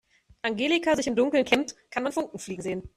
Wenn Angelika sich im Dunkeln kämmt, kann man Funken fliegen sehen.